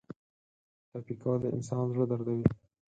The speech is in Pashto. ټپي کول د انسان زړه دردوي.